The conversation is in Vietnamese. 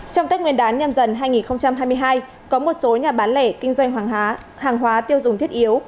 trong tết nguyên đán nhâm dần hai nghìn hai mươi hai có một số nhà bán lẻ kinh doanh hàng hóa hàng hóa tiêu dùng thiết yếu